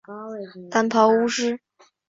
蓝袍巫师。